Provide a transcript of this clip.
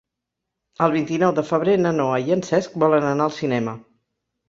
El vint-i-nou de febrer na Noa i en Cesc volen anar al cinema.